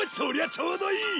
ちょうどいい！